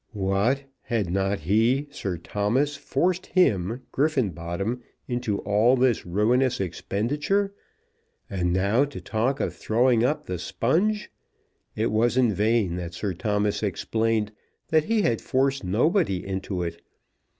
What! had not he, Sir Thomas, forced him, Griffenbottom, into all this ruinous expenditure? And now to talk of throwing up the sponge! It was in vain that Sir Thomas explained that he had forced nobody into it.